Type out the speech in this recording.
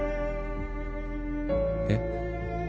えっ？